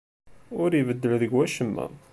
Ur ibeddel deg wacemma.